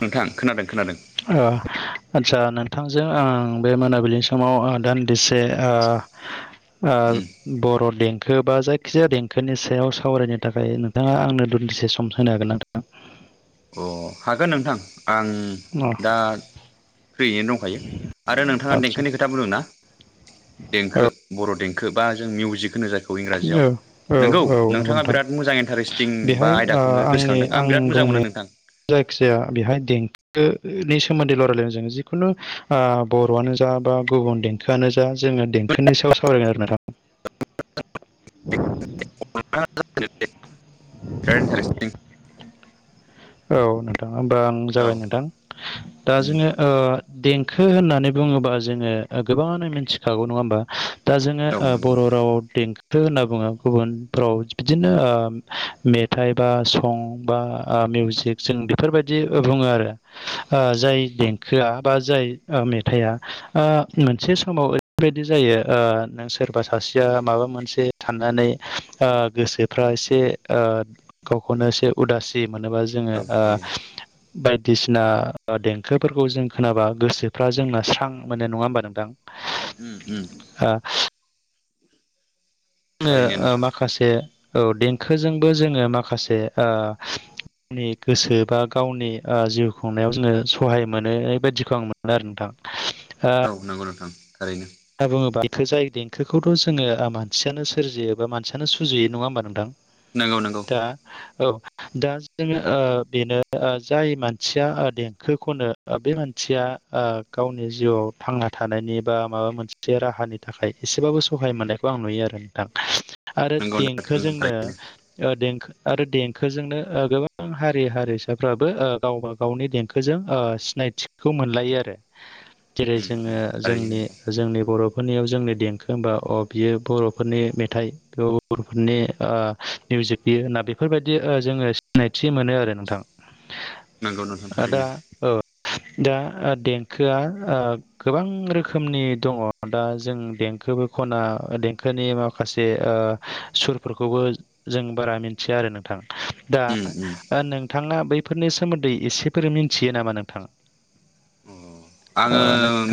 नोंथां खोनादों खोनादों [unintelligible] आचसा नोंथांजों आं बे मोनाबिलिनि समाव दान्दिसे उम बर'दिन गोबा जायखिजाया देंखोनि सायाव सावरायनो थाखाय नोंथाङा आंनो दान्दिसे सम होनो हागोन नोंथाङा अ हागोन नोंथां आं अ दा फ्रियैनो दंखायो आरो नोंथाङा आदसा देंखोनि खोथा खोथा बुंदों ना देंखो औ बर' देंखो बा जों मिउजिकखौ नोजोर इंराजियाव औ नोंगौ औ औ नंगौ नोंथाङा नोंथां बिराद मोजां इन्टारेस्टिं बा बेहाय ओ आयदाखौनो आंनि गोसोखांदों आं बिराद मोजां मोनो बुंनाय नों जायखिजाया बेहाय देंखो नि सोमोन्दै र रायलायनाय जों जिखुनु बर'आनो जा बा गुबुन देंखोआनो जा जोङो देंखो खोननो सायाव सावरायगोन आरो नोंथां [inaudible] [unintelligible] औ नोंथां होमबा आं औ जागाय नोंथां दा उम जोङो देंखो होननानै बुङोबा जोङो गोबाङानो मिथिखागौ नङा होमबा दा जोङो औ नंगौ बर' नोंथां रावाव देंखो होनना बुङो गुबुनफोराव बिदिनो मेथाइ बा सं बा मिउसिक सिक्स जों बेफोरबायदि बुङो आरो जाय देंखोआ बा जाय मेथाइआ मोनसे समाव बेबायदि जायो नों सोरबा सासेया माबा मोनसे साननानै गोसो फ्रा एसे गावखौनो एसे उदासि मोनोबा जोङो औ औ बायदिसिना देंखोफोरखौ जों खोनाबा गोसोफ्रा जोंना स्रां माने नङा होमबा नोंथां [inaudible] उम उम थारैनो ओ नोंथां माखासे औ देंखोजोंबो जोङो माखासे गावनि गोसो बा गावनि जिउ खुंनायाव जोङो सहाय मोनो बायदिखौ आं मोनो आरो नोंथां। ओ वरनांगौथां थारैनो दा बुङोबा बेखो जायो देंखोखौथ' जोङो मानसियानो सोरजियो बा मानसियानो सुजुयो नङा ह होनोमबा नोंथां। नंगौ नंगौ। दा औ दा जोङो बेनो जाय मानसिया देंखोखौनो। बे मानसिया गावनि जिउआव थांना थानायनि बा माबा मोन से राहानि थाखाय एसेबाबो सहाय मोननायखौ आं नुयो आरो नोंथां। आरो नंगौ नोंथां देंखोजोंनो। थारैनो देंखो आरो देंखोजोंनो गोबां हारि हारिसाफ्राबो गावबा गावनि देंखोजों सिनायथिखौ मोनलायो आरो। जेरै उम उम जोङो थारैनो जोंनि नोंथां जोंनि बर'फोरनियाव जोंनि देंखो होमबा अ बियो बर'फोरनि मेथाइ उफोरनि मिउजिक बियो होना बेफोरबायदि जोङो सिनायथि मोनो आरो नोंथां। नंगौ नोंथां आदा थारैनो औ दा देंखोआ गोबां रोखोमनि दङ दा जों देंखोबो खना देंखोनि माखासे सुरफोरखौबो जों बारा मिथिया आरो नोंथां। उम उम दा नोंथांङा बैफोरनि सोमोन्दै एसेफोर मिन्थियो नामा नोंथांङा। अ आंङो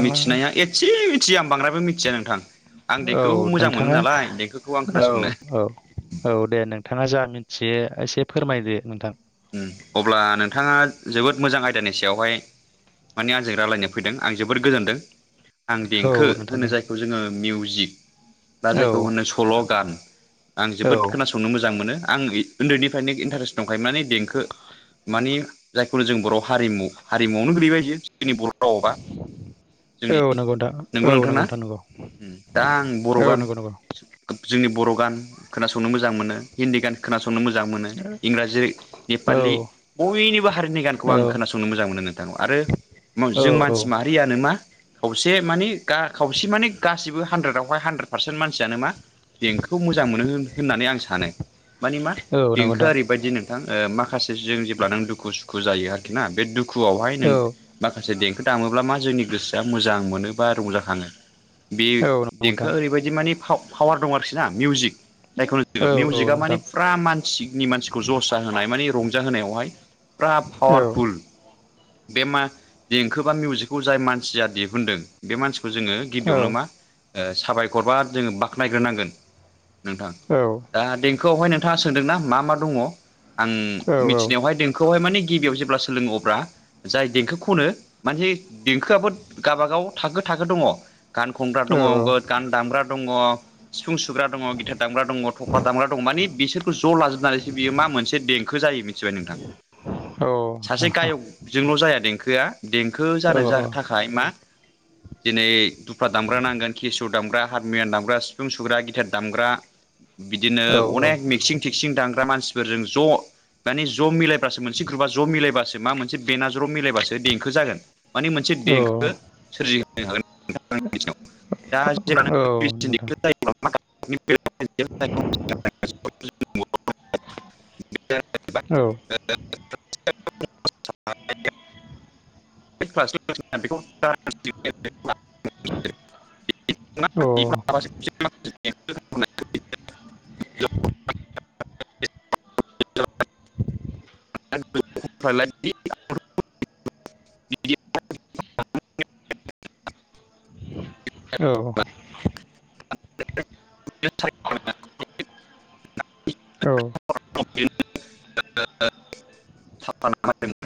मिथिनाया ए। एसे मिथिया आं बांद्रायबो मिथिया नोंथां आं औ देंखखौ मोजां मोनो नोंथाङा नालाय देंखोखौ आं औ खोनासंनो। औ औ दे नोंथांङा जा मिथियो एसे फोरमायदो नोंथां। अब्ला नोंथांङा जोबोद मोजां आयदानि सायावहाय माने आंजों रायज्लायनो फैदों आं जोबोद गोजोनदों। आं देंखो औ नोंथां होनो दे जायखौ जोंङो मिउजिक। दा जायखौ औ होनो सल' गान आं औ जोबोद खोनासं संनो मोजां मोनो आं उन्दैनिफ्रायनो इन्टारेस्ट दंखायो माने देंखो मानिे जायखौु जों बर' हारिमु हारिमुआवनो गोल्लैबाय ज जोंनि बर' राव बा जोंनि औ नंगौ नोंथां नंगौ औ नोंथां ना नंगौ ओ दा आं बर' औ गान नंगौ नंगौ औ जोंनि बर' गान खोनासंनो मोजां मोनो हिन्दी गान खोनासंनो मोजां मोनो इंराजि नेपालि औ बयनिबो हारिनि गानखौ आं खोनासंनो मोजां मोनो नोंथां आरो औ जों औ मानसि म दैयानो मा। खावसे माने खावसे माने गासिबो हानद्रेदावहाय हानद्रेद पार्सेन्ट मानसियानो मा। बेंकखौ मोजां मोनो होननानै आं सानो। मानिमा औ नंगौ देंखो नोंथां ओरैबायदि नोंथां माखासे जों जेब्ला नों दुखु सुखु जायो आरोखि ना बे दुु दुखुआवहाय नों औ माखासे देंखो दामोब्ला मा जोंनि गोसोआ मोजां मोनो बा रंजाखांङो। बे औ नंगौ नोंथां देंखोआ ओरैबायदि मानि पावार दं आरोखि ना मिउजिक। जायखौ औ नुजग औ मिउजिकआ माने नोंथां फुरा मानसिनि मानसिखौ जस म रंजाहहाय फुरा औ पावारफुल बे मा देंखो बा मिउजिकखौ जाय मानसिया दिहुनदों बे मानसिखौ जोंङो। औ नंगौ नोंथां औ गिबियावनो मा साबायखरबा जोंङो बाखनायग्रोनांगोन नोंथां। औ। दा देंखोआवहाय नोंथांङा सोंदों ना मा मा दंङ। आं मिथिनायावहाय दोंखोआवहाय माने गिबियाव जेब्ला सोलोंङो अब्ला जाय देंखो खनो माने देंखोआबो गावाबागाव थाखो थाखो दंङ। गान खुमब्रा दंङ गान दामब्रा दंङ। सिफुं सुग्रा दंङ गिथेरार दामग्रा दंङ थख्ला दामग्रा दंङ मानि बिसोरखौ ज' लाजोबनानैसो बियो मा मोनसे। देंखो जायो मिथिबाय नोंथां सासे गायकजोंल' जाया देंखोआ देंखो जानो जा थाखाय मा दिनै दुफ्रा दामग्रा नांगोन, केसु दामग्रा, हारमुनियाम दामग्रा, सिफुं सुग्रा, गिटार दामग्रा बिदिनो अनेक मिक्सिं थिकसिं दानांग्रा मानसिफोरजों ज' मानि ज' मिलायबासो मोनसे ग्रुपआ ज' मिलायबासो मा मोनसे बेना ज' मिलायबासो देंखो जागोन। माने मोनसे देंखो सोरजिहोनो हागोन नोंथां। दा जेब्ला [unintelligible] [inaudible] औ। [inaudible] [unintelligible] [inaudible] [inaudible] औ। [inaudible] औ औ [inaudible]